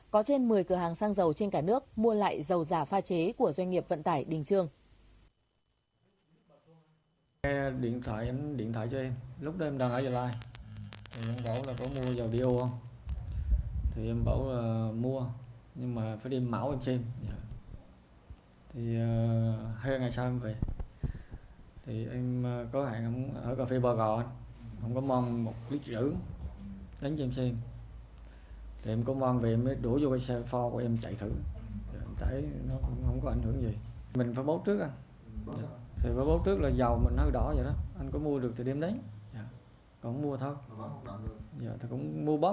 có trên một mươi cửa hàng xăng dầu trên cả nước mua lại dầu giả pha chế của doanh nghiệp vận tải đình trương